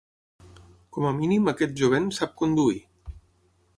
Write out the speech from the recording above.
Com a mínim aquest jovent sap conduir.